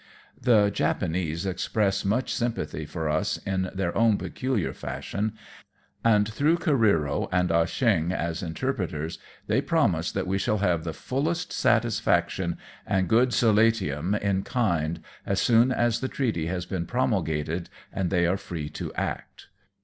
The Japanese express much sympathy for us in their own peculiar fashion, and through Careero and Ah Cheong as interpreters they promise that we shall have the fullest satisfaction and good solatium in kind, as soon as the treaty has been promulgated, and they are free to act.